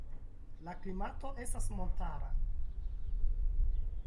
La klimato estas montara.